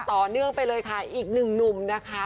ต่อเนื่องไปเลยค่ะอีกหนึ่งหนุ่มนะคะ